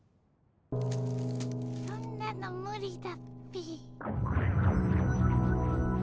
そんなのむりだっピ。